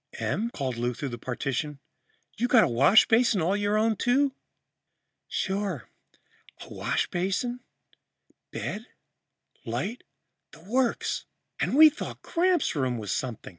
"Em," called Lou through the partition, "you got a washbasin all your own, too?" "Sure. Washbasin, bed, light the works. And we thought Gramps' room was something.